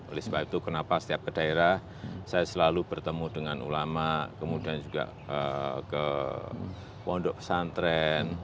oleh sebab itu kenapa setiap ke daerah saya selalu bertemu dengan ulama kemudian juga ke pondok pesantren